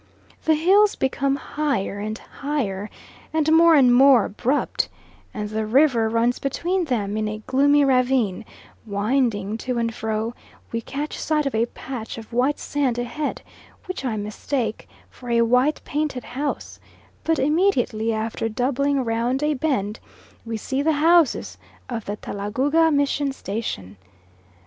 The hills become higher and higher, and more and more abrupt, and the river runs between them in a gloomy ravine, winding to and fro; we catch sight of a patch of white sand ahead, which I mistake for a white painted house, but immediately after doubling round a bend we see the houses of the Talagouga Mission Station.